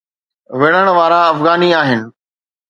وڙهڻ وارا افغاني آهن.